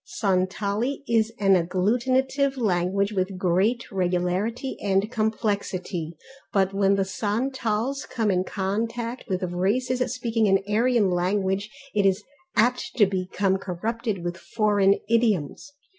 Santali is an agglutinative language of great regularity and complexity but when the Santals come in contact with races speaking an Aryan language it is apt to become corrupted with foreign idioms.